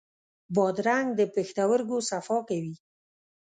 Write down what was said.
بادرنګ د پښتورګو صفا کوي.